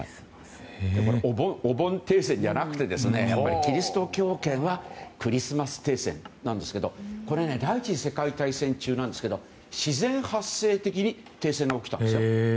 お盆停戦じゃなくてキリスト教圏はクリスマス停戦なんですけどこれは第１次世界大戦中なんですけど自然発生的に停戦が起きたんですね。